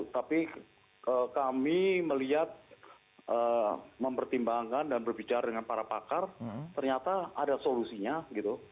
tapi kami melihat mempertimbangkan dan berbicara dengan para pakar ternyata ada solusinya gitu